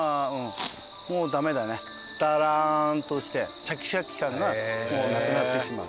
ダラーンとしてシャキシャキ感がもうなくなってしまう。